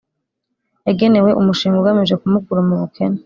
yagenewe Umushinga Ugamije kumukura mu bukene